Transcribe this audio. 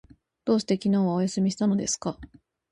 どうして昨日はお休みしたのですか？